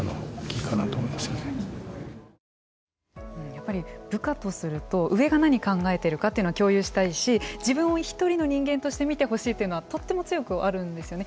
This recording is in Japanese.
やっぱり部下とすると上が何を考えているかというのは共有したいし自分を１人の人間として見てほしいというのはとっても強くあるんですよね。